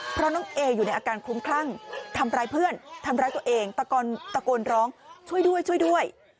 เพราะน้องเออยู่ในอาการคลุ้มคลั่งทำร้ายเพื่อนทำร้ายตัวเองตะโกนร้องช่วยด้วยช่วยด้วย